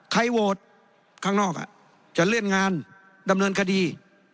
โหวตข้างนอกจะเลื่อนงานดำเนินคดี